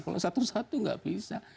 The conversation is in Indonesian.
kalau satu satu nggak bisa